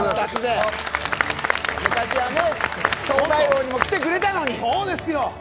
昔は「東大王」にも来てくれたのにね